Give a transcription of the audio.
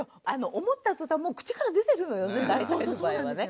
思ったとたんもう口から出てるのよね